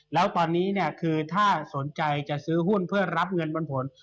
แล้วตอนนี้เนี่ยคือถ้าสนใจจะซื้อหุ้นเพื่อรับเงินปันผล